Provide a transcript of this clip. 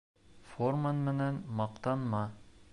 Формаң менән маҡтанма